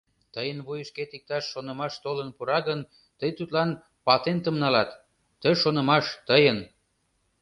Тыйын вуйышкет иктаж шонымаш толын пура гын, тый тудлан патентым налат: ты шонымаш тыйын.